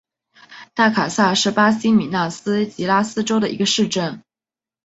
大卡萨是巴西米纳斯吉拉斯州的一个市镇。